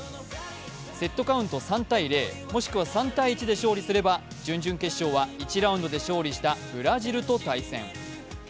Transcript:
セットカウント３−０もしくは３−１で勝利すれば準々決勝は１ラウンドで勝利したブラジルと対戦。